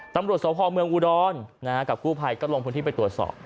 ตำรวจสพเมืองอุดรกับกู้ภัยก็ลงพื้นที่ไปตรวจสอบ